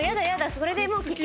それでもう危険！